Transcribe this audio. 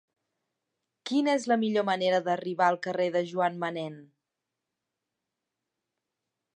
Quina és la millor manera d'arribar al carrer de Joan Manén?